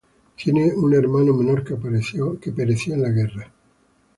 Tenía un hermano menor que pereció en la guerra.